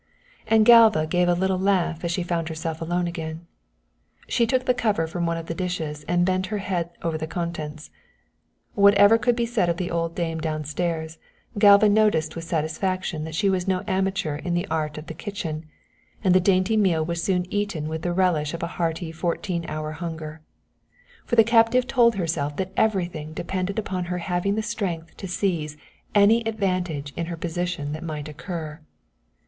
And Galva gave a little laugh as she found herself alone again. She took the cover from one of the dishes and bent her head over the contents. Whatever could be said of the old dame downstairs Galva noticed with satisfaction that she was no amateur in the art of the kitchen, and the dainty meal was soon eaten with the relish of a healthy fourteen hour hunger. For the captive told herself that everything depended upon her having the strength to seize any advantage in her position that might occur.